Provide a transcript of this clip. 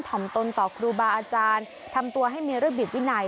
่อมตนต่อครูบาอาจารย์ทำตัวให้มีระเบียบวินัย